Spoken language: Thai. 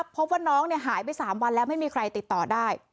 พบว่าน้องหายไป๓วันแล้วไม่มีใครติดต่อได้